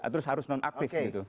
terus harus non aktif